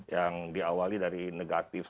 yang diawali dari negatif satu ratus tiga puluh sembilan